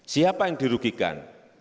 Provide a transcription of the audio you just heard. siapa yang dirugikan